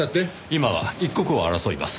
今は一刻を争います。